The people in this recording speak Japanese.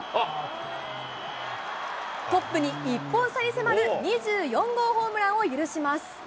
トップに１本差に迫る２４号ホームランを許します。